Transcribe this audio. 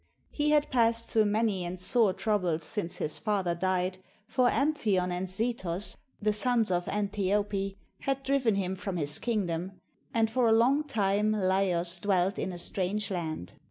He had passed through many and sore troubles since his father died, for Amphion and Zethos, the sons of Antiope, had driven him from his kingdom; and for a long time Laios dwelt in a strange land.